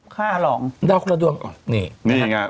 ค่ะอรางดาวละดวงอ้อครับนี่